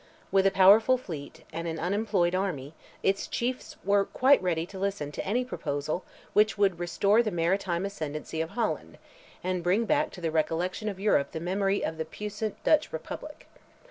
With a powerful fleet, and an unemployed army, its chiefs were quite ready to listen to any proposal which would restore the maritime ascendancy of Holland, and bring back to the recollection of Europe the memory of the puissant Dutch republic.